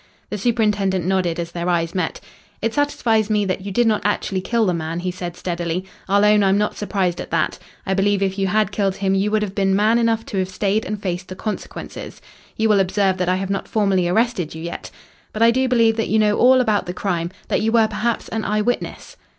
The superintendent nodded as their eyes met. "It satisfies me that you did not actually kill the man," he said steadily. "I'll own I'm not surprised at that. I believe if you had killed him you would have been man enough to have stayed and faced the consequences. You will observe that I have not formally arrested you yet. But I do believe that you know all about the crime that you were perhaps an eye witness."